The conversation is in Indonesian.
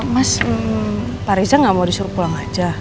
mas pak reza gak mau disuruh pulang aja